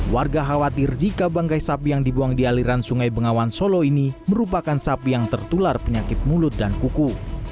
warga khawatir jika bangkai sapi yang dibuang di aliran sungai bengawan solo ini merupakan sapi yang tertular penyakit mulut dan kuku